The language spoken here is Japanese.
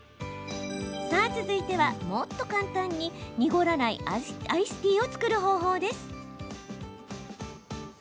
さあ続いては、もっと簡単に濁らないアイスティーを作る方法です。